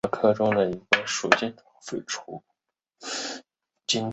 拓灰蝶属是灰蝶科眼灰蝶亚科中的一个属。